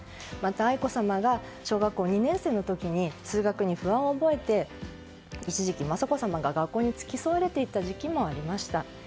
愛子さまが小学校２年生の時に通学に不安を覚えて一時期、雅子さまが学校に付き添われていた時期もありました。